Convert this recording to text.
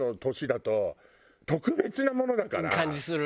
感じする。